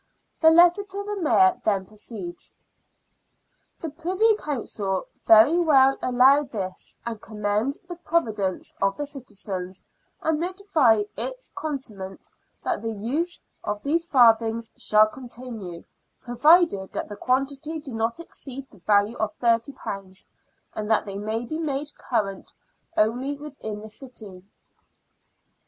The letter to the Mayor then proceeds :—" The Privy Council very well allow this, and commend the providence of the citizens, and notify its contentment that the use of these farthings shall continue, provided that the quantity do not exceed the value of £^o, and that they may be made current only within the city."